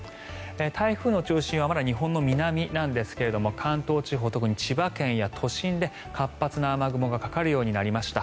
台風の中心はまだ日本の南なんですが関東地方、特に千葉県や都心で活発な雨雲がかかるようになりました。